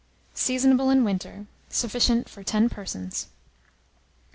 Seasonable in winter. Sufficient for 10 persons.